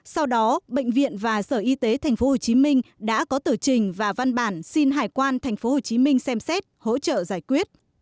sau đó bệnh viện và sở y tế thành phố hồ chí minh đã có tờ trình và văn bản xin hải quan thành phố hồ chí minh xem xét hỗ trợ giải quyết